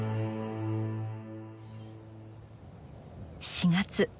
４月。